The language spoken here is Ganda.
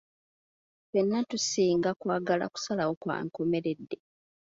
Ffenna tusinga kwagala kusalawo kwa nkomeredde.